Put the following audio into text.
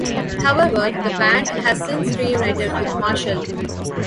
However, the band has since reunited with Marshall.